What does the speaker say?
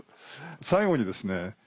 最後にですね